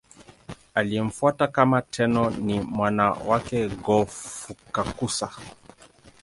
Aliyemfuata kama Tenno ni mwana wake Go-Fukakusa.